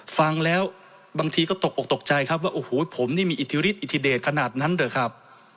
ฟังแล้วบางทีก็ตกออกตกใจครับว่าโอ้โหผมนี่มีอิทธิฤทธิอิทธิเดชขนาดนั้นเหรอครับ